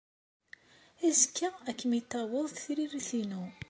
Azekka ad kem-id-taweḍ tririt-inu.